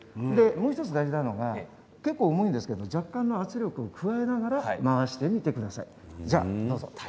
もう１つ大事なのはちょっと重いので若干の圧力を加えながら回してみてください。